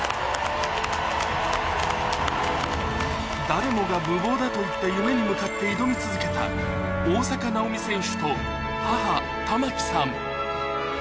誰もが無謀だと言った夢に向かって挑み続けた大坂なおみ選手と母環さん